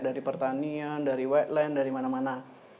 dari pertanian dari white line dari mana mana